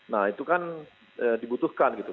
nah itu kan dibutuhkan gitu